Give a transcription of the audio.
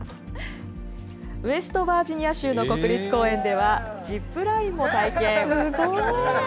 ウェストバージニア州の国立公園ではジップラインも体験。